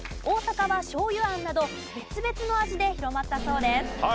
大阪は醤油あんなど別々の味で広まったそうです。